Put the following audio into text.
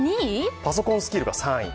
パソコンスキルが３位。